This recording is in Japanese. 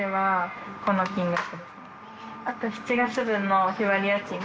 あと７月分の日割り家賃が。